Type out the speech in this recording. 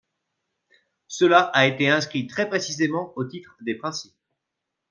Cela a été inscrit très précisément au titre des principes.